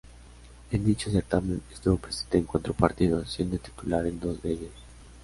En dicho certamen, estuvo presente en cuatro partidos, siendo titular en dos de ellos.